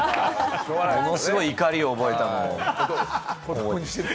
ものすごい怒りを覚えたのを覚えています。